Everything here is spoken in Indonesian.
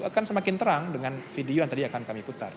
akan semakin terang dengan video yang tadi akan kami putar